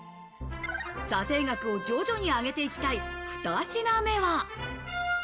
査定額を徐々に上げていきたい２品目は。